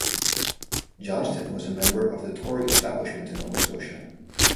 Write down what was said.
Johnston was a member of the Tory establishment in Nova Scotia.